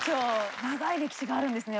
長い歴史があるんですね？